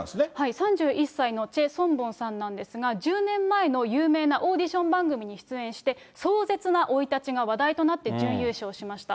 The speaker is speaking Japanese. ３１歳のチェ・ソンボンさんなんですが、１０年前の有名なオーディション番組に出演して、壮絶な生い立ちが話題となって準優勝しました。